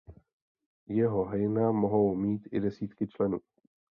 Jeho hejna mohou mít i desítky členů.